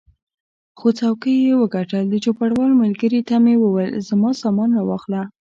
خو څوکۍ یې وګټل، د چوپړوال ملګري ته مې وویل زما سامان را واخله.